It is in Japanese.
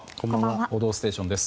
「報道ステーション」です。